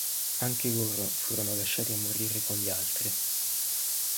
Anche loro furono lasciati a morire con gli altri.